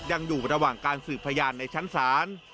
ยังอยู่ระหว่างการสืบพยานในชั้นศาล